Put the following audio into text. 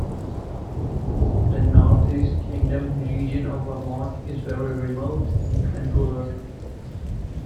The Northeast Kingdom region of Vermont is very remote and rural.